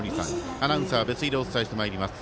アナウンサー、別井でお伝えしてまいります。